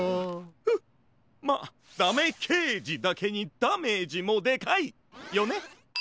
フッまっだめけいじだけにダメージもでかいよね！